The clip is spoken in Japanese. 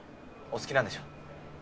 お好きなんでしょ？